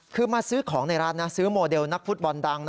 คือมาซื้อของในร้านนะซื้อโมเดลนักฟุตบอลดัง